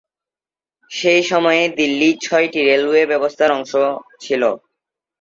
সেই সময়ে দিল্লি ছয়টি রেলওয়ে ব্যবস্থার অংশ ছিল।